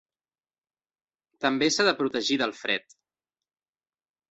També s'ha de protegir del fred.